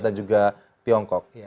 dan juga tiongkok